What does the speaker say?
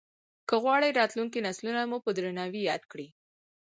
که غواړې راتلونکي نسلونه مو په درناوي ياد کړي.